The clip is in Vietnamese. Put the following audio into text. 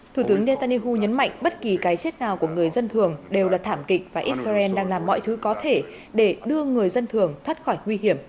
thủ tướng netanyahu nhấn mạnh bất kỳ cái chết nào của người dân thường đều là thảm kịch và israel đang làm mọi thứ có thể để đưa người dân thường thoát khỏi nguy hiểm